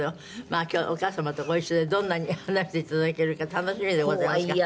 まあ今日お母様とご一緒でどんなに話して頂けるか楽しみでございますが。